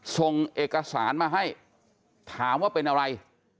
ส่งเอกสารมาให้ถามว่าเป็นอะไร